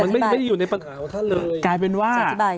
มันไม่ได้อยู่ในปัญหาของท่านเลย